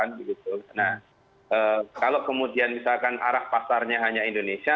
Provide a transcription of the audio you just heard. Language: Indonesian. nah kalau kemudian misalkan arah pasarnya hanya indonesia